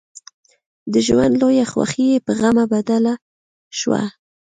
د ژوند لويه خوښي يې په غم بدله شوه.